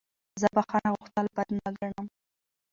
زه بخښنه غوښتل بد نه ګڼم.